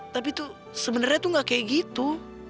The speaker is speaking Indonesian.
tapi tuh sebenernya tuh gak kayak gitu